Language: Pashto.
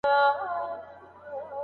ستونزي د حل کېدو لپاره پیدا سوي دي.